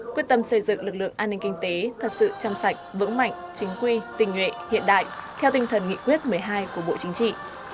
quyết tâm xây dựng lực lượng an ninh kinh tế thật sự trong sạch vững mạnh chính quy tình nguyện hiện đại theo tinh thần nghị quyết một mươi hai của bộ chính trị